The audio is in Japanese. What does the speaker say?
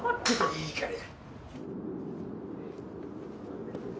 いいから。